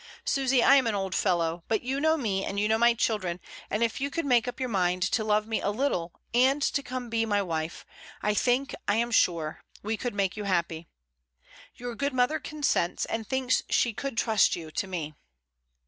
Susy, I am an old fellow; but you know me and you know my children, and if you could make up your mind to love me a little, and to come to be my wife, I think, I am sure, we could make you happy. Your good mother consents, and thinks she could trust you to me."